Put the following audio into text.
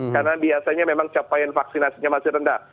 karena biasanya memang capaian vaksinasinya masih rendah